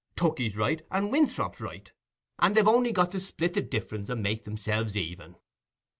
Tookey's right and Winthrop's right, and they've only got to split the difference and make themselves even."